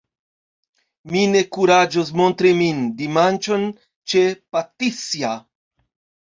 mi ne kuraĝos montri min, dimanĉon, ĉe Patisja!